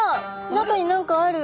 中に何かある。